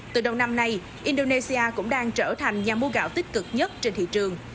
từ đầu năm nay indonesia cũng đang trở thành nhà mua gạo tích cực nhất trên thị trường